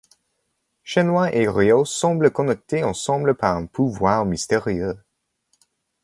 Shenhua et Ryo semblent connectés ensemble par un pouvoir mystérieux.